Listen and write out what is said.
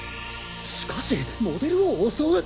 しかしモデルを襲う！？